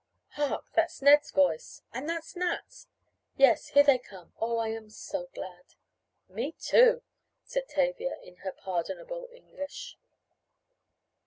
"Hark! That's Ned's voice " "And that's Nat's " "Yes, there they come. Oh, I am so glad " "Me too," said Tavia, in her pardonable English.